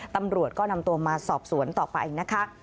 ตำรวจก็นำตัวมาสอบสวนต่อไปนะคะ